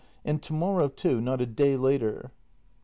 And to morrow too — not a day later!